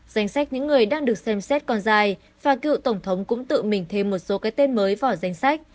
danh sách những người đang được xem xét còn dài và cựu tổng thống cũng tự mình thêm một số cái tên mới vào danh sách